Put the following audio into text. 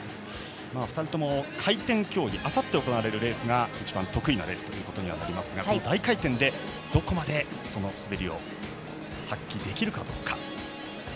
２人とも回転競技あさって行われるレースが一番得意なレースですが大回転で、どこまでその滑りを発揮できるかどうか。